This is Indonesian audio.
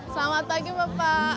selamat pagi bapak